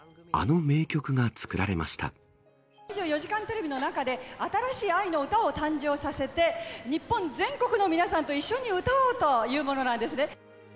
２４時間テレビの中で、新しい愛の歌を誕生させて、日本全国の皆さんと一緒に歌おうというものなんですね。